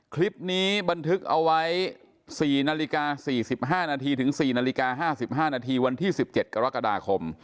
คลิปนี้บันทึกเอาไว้๔นาฬิกา๔๕นาทีถึง๔นาฬิกา๕๕นาทีวันที่๑๗กรกฎาคม